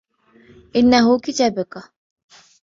إنه كتابك.